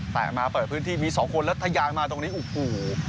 แต่มาเปิดพื้นที่มีสองคนแล้วทะยายมาตรงนี้โอ้โห